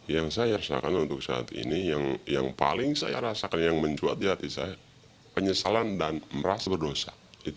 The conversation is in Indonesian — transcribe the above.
yang saya rasakan untuk saat ini yang paling saya rasakan yang mencuat di hati saya penyesalan dan merasa berdosa